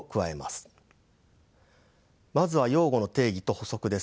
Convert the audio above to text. まずは用語の定義と補足です。